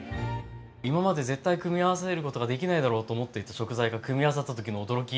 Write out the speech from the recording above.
今まで絶対組み合わせることができないだろうと思っていた食材が組み合わさった時の驚き！